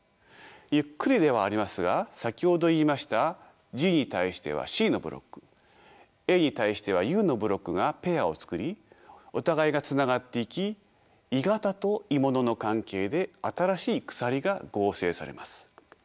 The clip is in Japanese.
ゆっくりではありますが先ほど言いましたＧに対してはＣのブロックＡに対してはＵのブロックがペアを作りお互いがつながっていき鋳型と鋳物の関係で新しい鎖が合成されます。